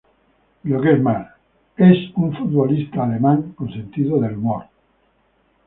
Y lo que es más: ¡es un "futbolista" alemán con sentido del humor!".